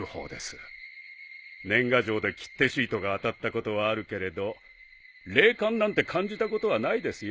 年賀状で切手シートが当たったことはあるけれど霊感なんて感じたことはないですよ。